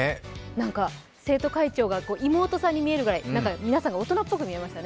生徒会長が妹さんに見えるくらい皆さんが大人っぽく見えましたね。